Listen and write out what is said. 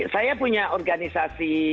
saya punya organisasi